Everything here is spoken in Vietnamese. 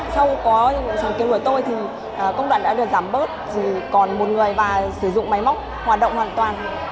sau có những sáng kiến của tôi thì công đoạn đã được giảm bớt chỉ còn một người và sử dụng máy móc hoạt động hoàn toàn